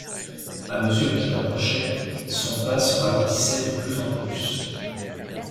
À mesure qu’il approchait, son pas se ralentissait de plus en plus.